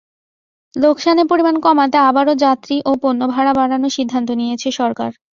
লোকসানের পরিমাণ কমাতে আবারও যাত্রী ও পণ্য ভাড়া বাড়ানোর সিদ্ধান্ত নিয়েছে সরকার।